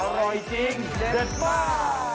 อร่อยจริงเด็ดมาก